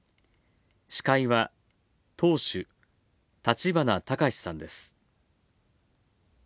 司会は、党首立花孝志さんです。